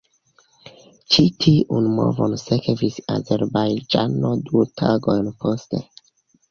Ĉi tiun movon sekvis Azerbajĝano du tagojn poste.